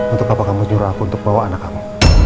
untuk apa kamu jurah aku untuk bawa anak kamu